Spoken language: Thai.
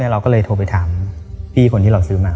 เราก็เลยโทรไปถามพี่คนที่เราซื้อมา